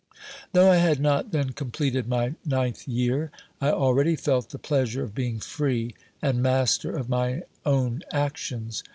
Though I had not then completed my ninth year, I already felt the pleasure of being free, and master of my own actions.